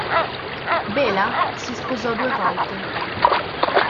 Béla si sposò due volte.